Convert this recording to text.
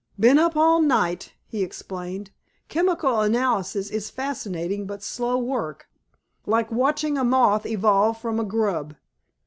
"Been up all night," he explained. "Chemical analysis is fascinating but slow work—like watching a moth evolve from a grub.